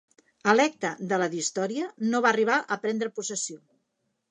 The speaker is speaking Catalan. Electe de la d'Història, no va arribar a prendre possessió.